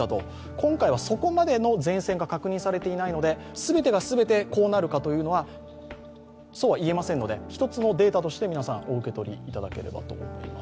今回はそこまでの前線が確認されていないので全てが全てこうなるかというのはそうは言えませんので１つのデータとして皆さん、お受け取りいただければと思います。